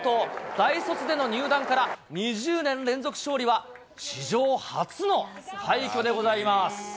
大卒での入団から２０年連続勝利は、史上初の快挙でございます。